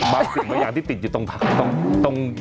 มีอย่างที่ติดอยู่ตรงผาตรง